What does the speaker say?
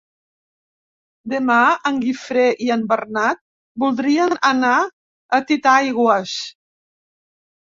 Demà en Guifré i en Bernat voldrien anar a Titaigües.